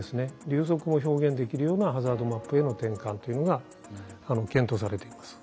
流速も表現できるようなハザードマップへの転換というのが検討されています。